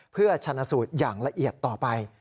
เพื่อชนะสูตรอย่างละเอียดต่อไป